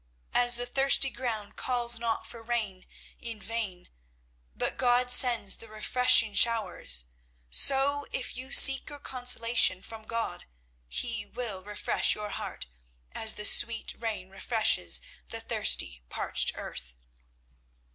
As the thirsty ground calls not for rain in vain, but God sends the refreshing showers, so if you seek your consolation from God, He will refresh your heart as the sweet rain refreshes the thirsty parched earth.